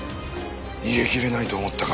逃げきれないと思ったか。